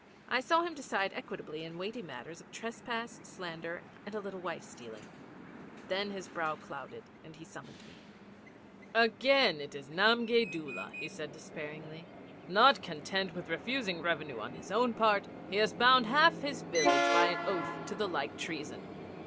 I saw him decide equitably in weighty matters of trespass, slander, and a little wife stealing. Then his brow clouded and he summoned me. 'Again it is Namgay Doola,' he said despairingly. 'Not content with refusing revenue on his own part, he has bound half his village by an oath to the like treason.